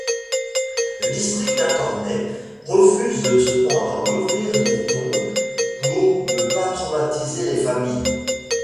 Le district attorney refuse cependant d'ouvrir les tombes pour ne pas traumatiser les familles.